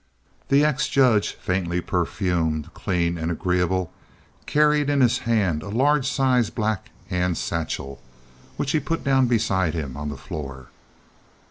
The ex judge, faintly perfumed, clean and agreeable, carried in his hand a large sized black hand satchel which he put down beside him on the floor.